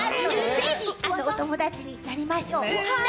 ぜひお友達になりましょう。